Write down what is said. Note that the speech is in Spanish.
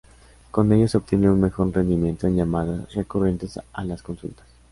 Con ello se obtiene un mejor rendimiento en llamadas recurrentes a las consultas.